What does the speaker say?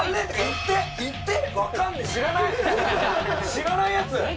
知らないやつ！